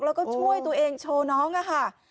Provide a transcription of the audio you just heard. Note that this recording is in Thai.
แล้วก็ช่วยตัวเองโชว์น้องค่ะ